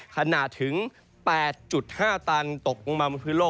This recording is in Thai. ขนาดถึง๘๕ตันตกลงมาบนพื้นโลก